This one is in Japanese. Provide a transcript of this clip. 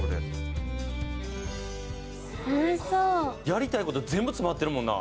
やりたい事全部詰まってるもんな。